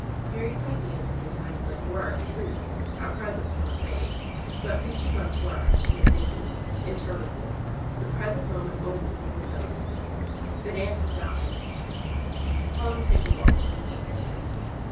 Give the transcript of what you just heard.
Harry's ideas of an Italian lake were, in truth, at present somewhat vague. But future months were, to his thinking, interminable; the present moment only was his own. The dance was now finished. "Come and take a walk," said Harry.